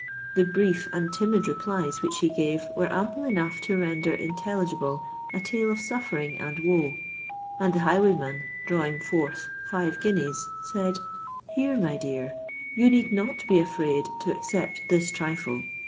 The brief and timid replies which she gave were ample enough to render intelligible a tale of suffering and woe; and the highwayman, drawing forth five guineas, said, "Here, my dear, you need not be afraid to accept this trifle.